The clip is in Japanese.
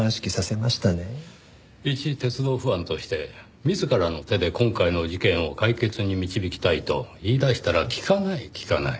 いち鉄道ファンとして自らの手で今回の事件を解決に導きたいと言い出したら聞かない聞かない。